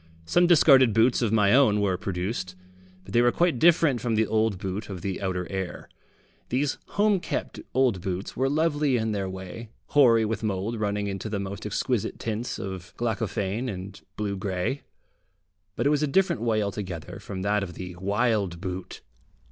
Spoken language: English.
Some discarded boots of my own were produced, but they were quite different from the old boot of the outer air. These home kept old boots were lovely in their way, hoary with mould running into the most exquisite tints of glaucophane and blue grey, but it was a different way altogether from that of the wild boot.